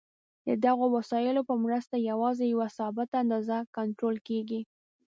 د دغو وسایلو په مرسته یوازې یوه ثابته اندازه کنټرول کېږي.